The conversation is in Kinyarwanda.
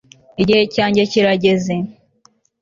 igihe cyanjye kirageze